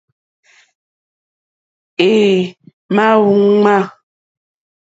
É ǃmá wúŋmā.